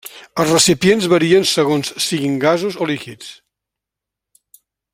Els recipients varien segons siguin gasos o líquids.